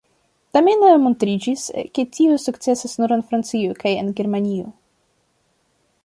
Tamen montriĝis, ke tio sukcesas nur en Francio kaj en Germanio.